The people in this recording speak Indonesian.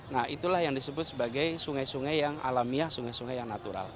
nah itulah yang disebut sebagai sungai sungai yang alamiah sungai sungai yang natural